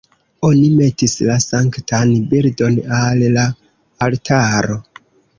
Oni metis la sanktan bildon al la altaro.